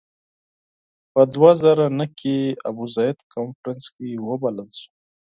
په دوه زره نهه کې ابوزید کنفرانس کې وبلل شو.